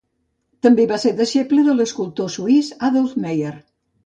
També va ser deixeble de l'escultor suís Adolf Mayer.